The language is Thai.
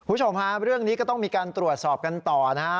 คุณผู้ชมฮะเรื่องนี้ก็ต้องมีการตรวจสอบกันต่อนะฮะ